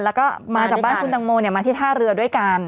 แล้วก็มาจากบ้านคุณตังโมมาที่ท่าเรือด้วยกัน